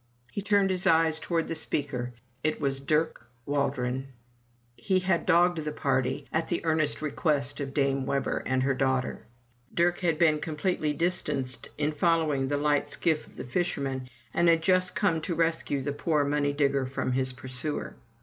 He turned his eyes towards the speaker; it was Dirk Waldron. He had dogged the party, at the earnest request of Dame Webber and her daughter. Dirk had been completely distanced in following the light skiff of the fisherman, and had just come in to rescue the poor money digger from his pursuer.